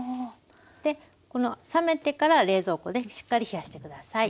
で冷めてから冷蔵庫でしっかり冷やして下さい。